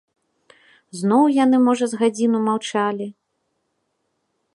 Зноў яны, можа, з гадзіну маўчалі.